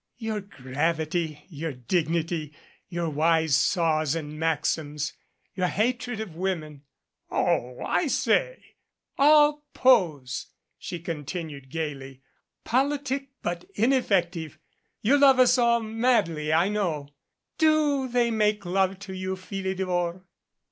"Your gravity, your dignity, your wise saws and maxims your hatred of women." "Oh, I say." "All pose!" she continued gaily. "Politic but inef fective. You love us all madly, I know. Do they make love to you, Philidor